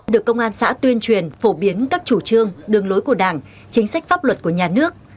được công an xã tuyên truyền phổ biến các chủ trương đường lối của đảng chính sách pháp luật của nhà nước